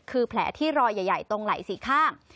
คือแผลที่รอยใหญ่ตรงไหล่สี่ข้าง